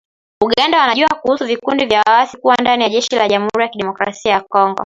Uganda wanajua kuhusu vikundi vya waasi kuwa ndani ya jeshi la Jamhuri ya Kidemokrasia ya Kongo